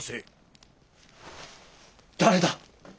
誰だ！